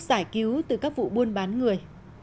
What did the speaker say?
giải cứu từ các vụ buôn bán người